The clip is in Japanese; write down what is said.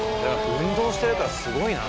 運動してるからすごいな。